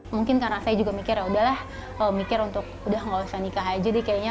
mungkin karena saya juga mikir yaudah lah kalau mikir untuk udah gak usah nikah aja deh kayaknya